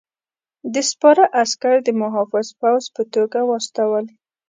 ده سپاره عسکر د محافظ پوځ په توګه واستول.